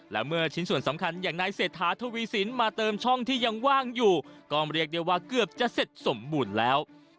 และเมื่อชิ้นส่วนสำคัญอย่างนายเศรษฐาทวีสินมาเติมช่องที่ยังว่างอยู่ก็เรียกได้ว่าเกือบจะเสร็จสมบูรณ์แล้ว